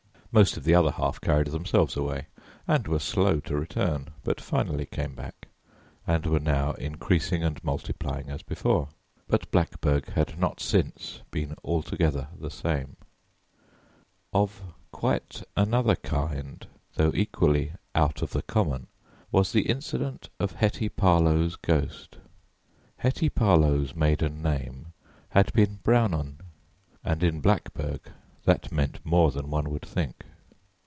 Most of the other half carried themselves away and were slow to return, but finally came back, and were now increasing and multiplying as before, but Blackburg had not since been altogether the same. Of quite another kind, though equally 'out of the common,' was the incident of Hetty Parlow's ghost. Hetty Parlow's maiden name had been Brownon, and in Blackburg that meant more than one would think.